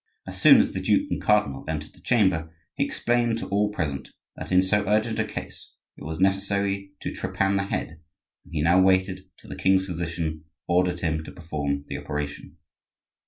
As soon as the duke and cardinal entered the chamber he explained to all present that in so urgent a case it was necessary to trepan the head, and he now waited till the king's physician ordered him to perform the operation.